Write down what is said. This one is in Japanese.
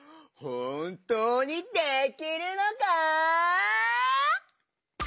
ほんとうにできるのか？